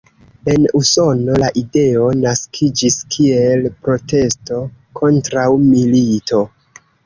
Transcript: En Usono la ideo naskiĝis kiel protesto kontraŭ milito.